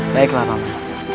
baiklah pak man